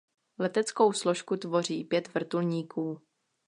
Leteckou složku tvoří pět vrtulníků.